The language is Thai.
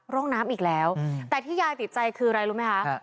ร่องน้ำอีกแล้วแต่ที่ยายติดใจคืออะไรรู้ไหมคะ